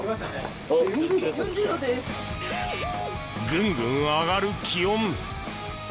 ぐんぐん上がる気温。